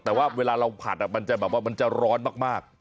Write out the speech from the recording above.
เพราะว่าเวลาเราผัดมันจะร้อนมาก